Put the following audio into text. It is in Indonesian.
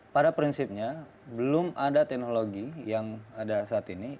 pada prinsipnya belum ada teknologi yang ada saat ini